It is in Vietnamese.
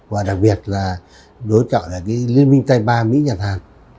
và đặc biệt là đối trọng lại cái liên minh tây ba mỹ nhật hàn